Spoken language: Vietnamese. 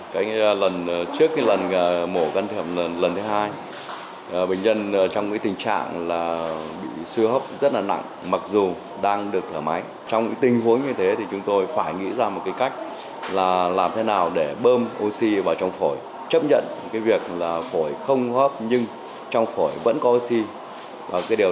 các bác sĩ đã cung cấp được cho oxy vào trong phổi và trao đổi giữa phổi với máu